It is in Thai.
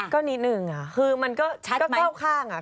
ก็นิดนึง